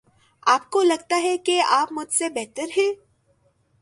آپ کو لگتا ہے کہ آپ مجھ سے بہتر ہیں۔